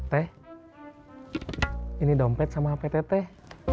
teh ini dompet sama hp teteh